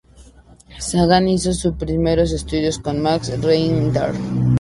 Sagan hizo sus primeros estudios con Max Reinhardt.